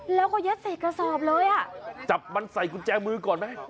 แล้วก็ยัดใส่กระสอบเลยอ่ะจับมันใส่กุญแจมือก่อนไหม